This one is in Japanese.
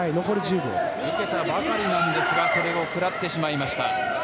受けたばかりなんですが食らってしまいました。